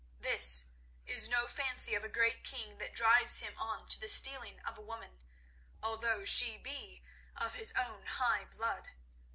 This is no fancy of a great king that drives him on to the stealing of a woman, although she be of his own high blood.